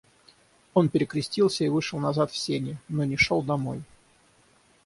Он перекрестился и вышел назад в сени, но не шел домой.